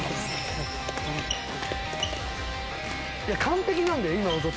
いや完璧なんだよ